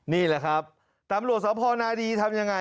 นี่แหละครับตำรวจสพนาดีทำยังไง